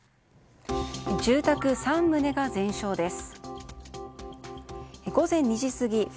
住宅３棟が全焼です。